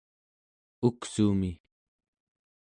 uksumi